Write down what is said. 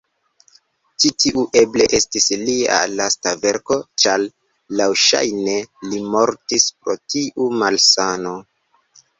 Ĉi-tiu eble estis lia lasta verko ĉar laŭŝajne li mortis pro tiu malsano.